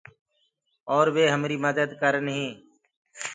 اور وي همري مدد ڪرن هينٚ۔